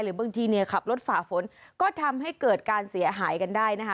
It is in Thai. บางทีเนี่ยขับรถฝ่าฝนก็ทำให้เกิดการเสียหายกันได้นะคะ